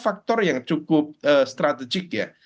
faktor yang cukup strategik ya